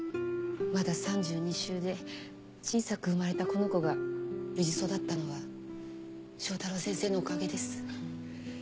まだ３２週で小さく産まれたこの子が無事に育ったのは正太郎先生のおかげです。